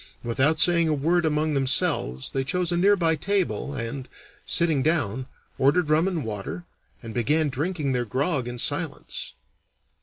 Without saying a word among themselves they chose a near by table and, sitting down, ordered rum and water, and began drinking their grog in silence.